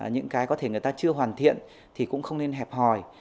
những cái có thể người ta chưa hoàn thiện thì cũng không nên hẹp hòi